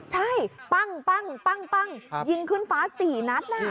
ใช่ปั้งยิงขึ้นฟ้า๔นัด